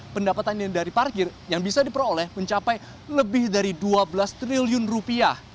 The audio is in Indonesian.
pendapatan ini dari parkir yang bisa diperoleh mencapai lebih dari dua belas triliun rupiah